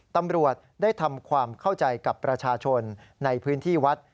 ตำรวจได้ทำความเข้าใจกับประชาชนในพื้นที่วัด